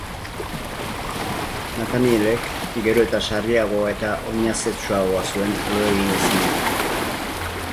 Nathanielek gero eta sarriagoa eta oinazetsuagoa zuen lo egin ezina.